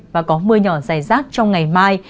và có mưa nhỏ rải rác trong ngày mai